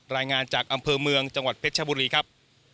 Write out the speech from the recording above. รายงานจากอำเภอเมืองจังหวัดเพชรชบุรีครับ